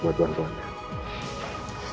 buat bantuan dia